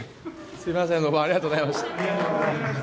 すみません、ありがとうございました。